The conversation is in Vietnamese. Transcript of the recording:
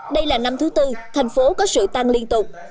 đây là năm thứ tư thành phố có sự tăng liên tục